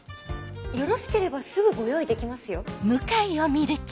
よろしければすぐご用意できますよ。